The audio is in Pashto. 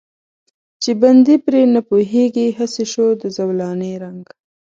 چې بندي پرې نه پوهېږي، هسې شو د زولانې رنګ.